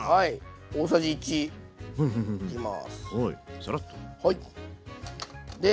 大さじ１入れます。